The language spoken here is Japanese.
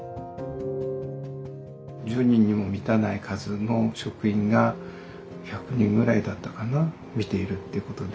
１０人にも満たない数の職員が１００人ぐらいだったかな診ているってことで。